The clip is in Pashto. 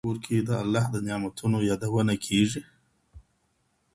ایا ستا په کور کي د الله د نعمتونو یادونه کیږي؟